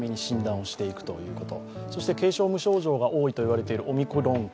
軽症、無症状が多いと言われているオミクロン株。